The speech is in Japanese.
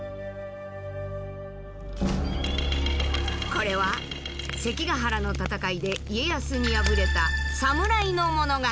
これは関ヶ原の戦いで家康に敗れた侍の物語。